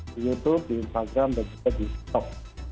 di youtube di instagram dan juga di tiktok